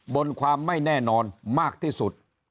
บนความไม่แน่นอนมากที่สุด